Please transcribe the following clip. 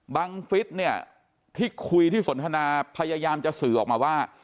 บังฟิศเนี่ยที่คุยที่สนทนาพยายามจะสื่อออกมาว่า